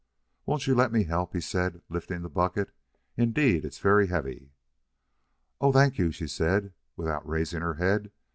"Won't you let me help you?" he said, lifting the bucket. "Indeed it's very heavy." "Oh thank you," she said, without raising her head.